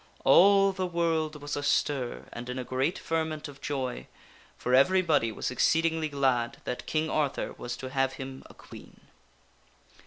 All the world was astir and in a great ferment of joy, for everybody was exceedingly glad that King Arthur was to have him a Queen.